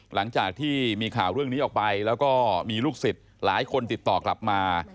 หลังจากที่มีข่าวเรื่องนี้ออกไปแล้วก็มีลูกศิษย์หลายคนติดต่อกลับมา